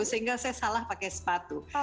sehingga saya salah pakai sepatu